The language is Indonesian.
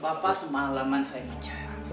bapak semalaman saya bicara